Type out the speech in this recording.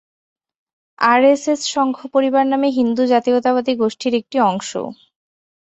RSS সংঘ পরিবার নামে হিন্দু জাতীয়তাবাদী গোষ্ঠীর একটি অংশ।